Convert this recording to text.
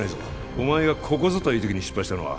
お前がここぞという時に失敗したのは